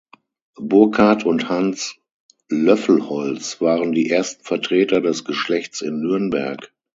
Burkhard und Hans Löffelholz waren die ersten Vertreter des Geschlechts in Nürnberg.